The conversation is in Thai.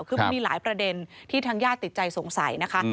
คือมันมีหลายประเด็นที่ทางญาติติดใจสงสัยนะคะ